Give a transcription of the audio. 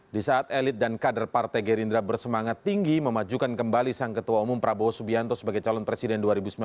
di saat elit dan kader partai gerindra bersemangat tinggi memajukan kembali sang ketua umum prabowo subianto sebagai calon presiden dua ribu sembilan belas